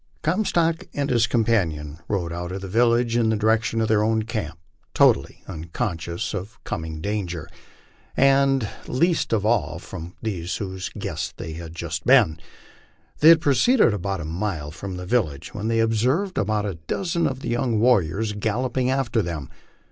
Comstock and his companion rode out of the village in the direction of their own camp, totally unconscious of coming danger, and least of all from those whose guests they had just been. The} r had proceeded about a mile from the village when they observed about a dozen of the young warriors galloping after them.